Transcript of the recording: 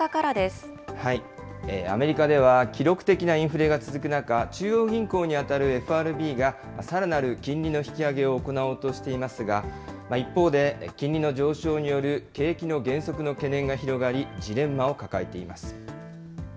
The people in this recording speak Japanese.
アメリカでは記録的なインフレが続く中、中央銀行にあたるＦＲＢがさらなる金利の引き上げを行おうとしていますが、一方で、金利の上昇による景気の減速の懸念が広がり、ジレンマを抱えています。